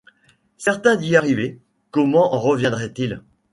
Certain d’y arriver, comment en reviendrait-il ?